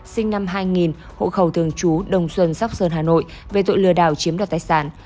sinh năm hai nghìn hộ khẩu thường trú đồng xuân sóc sơn hà nội về tội lừa đảo chiếm đoạt tài sản